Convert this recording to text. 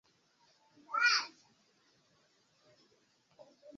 Sud-okcidente ĝin limigas Karakulo-Smuŝkova falto-surŝova zono de la Karpinskij-kresto.